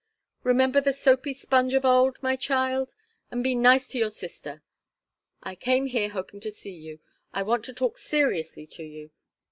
Remember the soapy sponge of old, my child, and be nice to your sister. I came here hoping to see you. I want to talk seriously to you.